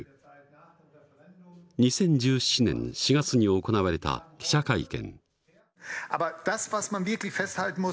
２０１７年４月に行われた記者会見。